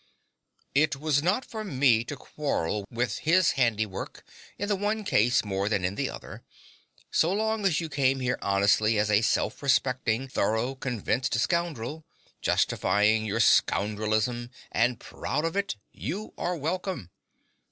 It was not for me to quarrel with his handiwork in the one case more than in the other. So long as you come here honestly as a self respecting, thorough, convinced scoundrel, justifying your scoundrelism, and proud of it, you are welcome.